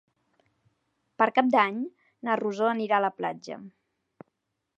Per Cap d'Any na Rosó anirà a la platja.